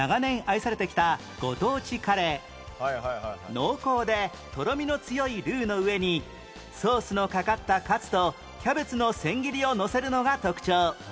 濃厚でとろみの強いルーの上にソースのかかったカツとキャベツの千切りをのせるのが特徴